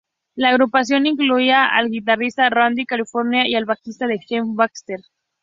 La agrupación incluía al guitarrista Randy California y al bajista Jeff Baxter.